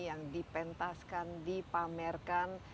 yang dipentaskan dipamerkan